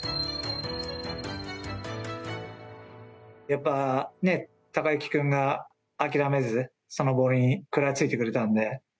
やっぱり、隆行君が諦めずそのボールに食らいついてくれたので。